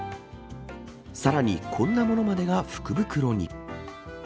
さらに、こんなものまでが福袋に。